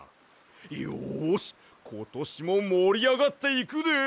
よしことしももりあがっていくで！